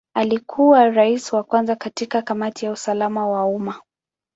Alikuwa Rais wa kwanza katika Kamati ya usalama wa umma.